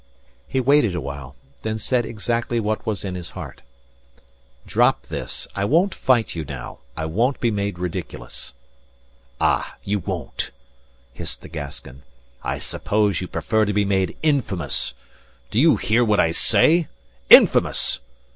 He waited awhile, then said exactly what was in his heart: "Drop this; I won't fight you now. I won't be made ridiculous." "Ah, you won't!" hissed the Gascon. "I suppose you prefer to be made infamous. Do you hear what I say?... Infamous!